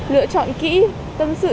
lựa chọn kỹ tâm sự